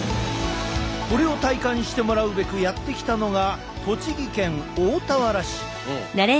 これを体感してもらうべくやって来たのが栃木県大田原市。